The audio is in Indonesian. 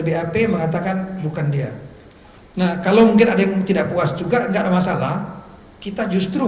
bap mengatakan bukan dia nah kalau mungkin ada yang tidak puas juga enggak masalah kita justru